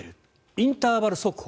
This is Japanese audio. インターバル速歩。